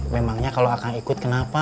memangnya kalau akan ikut kenapa